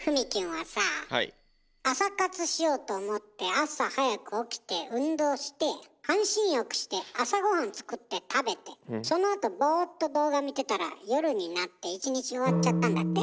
はい。朝活しようと思って朝早く起きて運動して半身浴して朝御飯作って食べてそのあとボーっと動画見てたら夜になって１日終わっちゃったんだって？